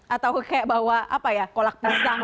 atau kayak bawa apa ya kolak pisang